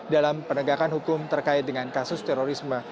dalam penegakan hukum terkait dengan kasus terorisme